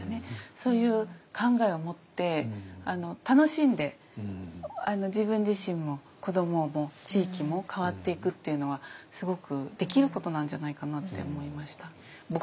そういう考えを持って楽しんで自分自身も子どもも地域も変わっていくっていうのはすごくできることなんじゃないかなって思いました。